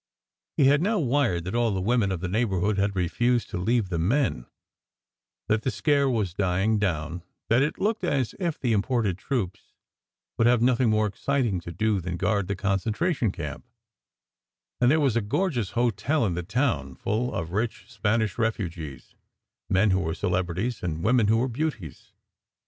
He had now wired that all the women of the neighbourhood had refused to leave the men; that the "scare" was dying down; that it looked as if the imported troops would have nothing more exciting to do than guard the concentration camp; and there was a gorgeous hotel in the town, full of rich Spanish refugees, men who were celebrities, and women who were beauties.